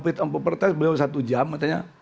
pertes beliau satu jam